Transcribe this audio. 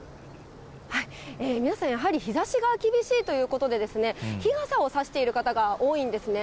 皆さん、やはり日ざしが厳しいということで、日傘を差している方が多いんですね。